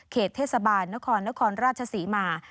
เทศบาลนครนครราชศรีมา